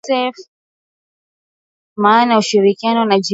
hao ni kusema maana ya ushirikiano na jirani aiheshimu